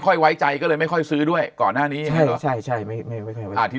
ค่อยไว้ใจก็เลยไม่ค่อยซื้อด้วยก่อนหน้านี้ใช่อาทิตย์